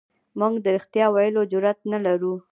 موږ د رښتیا ویلو جرئت نه لرو.